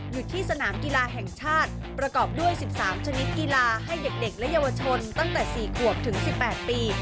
อยู่ที่สนามกีฬาแห่งชาติประกอบด้วย๑๓ชนิดกีฬาให้เด็กและเยาวชนตั้งแต่๔ขวบถึง๑๘ปี